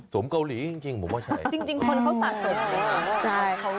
เกาหลีจริงผมว่าใช่จริงคนเขาสะสม